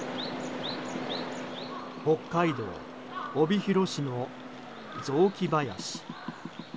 北海道帯広市の雑木林。